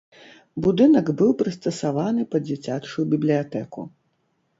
Будынак быў прыстасаваны пад дзіцячую бібліятэку.